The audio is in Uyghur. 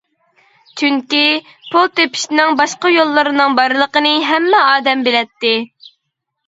چۈنكى، پۇل تېپىشنىڭ باشقا يوللىرىنىڭ بارلىقىنى ھەممە ئادەم بىلەتتى.